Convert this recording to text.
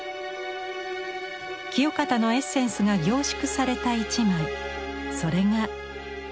清方のエッセンスが凝縮された一枚それが「築地明石町」でした。